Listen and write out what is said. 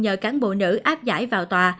nhờ cán bộ nữ áp giải vào tòa